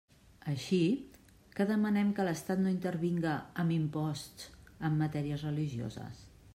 Així, ¿que demanem que l'estat no intervinga, amb imposts, en matèries religioses?